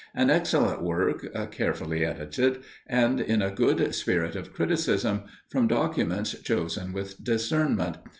An excellent work, carefully edited, and in a good spirit of criticism, from documents chosen with discernment.